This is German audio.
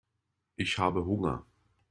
Ich habe Hunger.